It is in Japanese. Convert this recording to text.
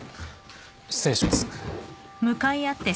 失礼します。